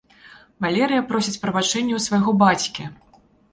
Валерыя просіць прабачэння ў свайго бацькі.